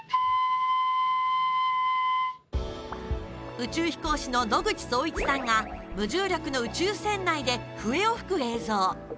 宇宙飛行士の野口聡一さんが無重力の宇宙船内で笛を吹く映像。